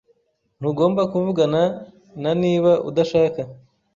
Ntugomba kuvugana na niba udashaka.